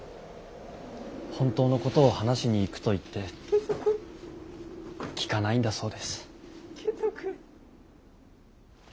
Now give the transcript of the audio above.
本当のことを話しに行くと言って聞かないんだそうです。